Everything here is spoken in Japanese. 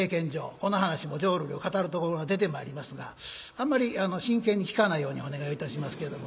この噺も浄瑠璃を語るところが出てまいりますがあんまり真剣に聴かないようにお願いをいたしますけれども。